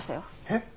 えっ！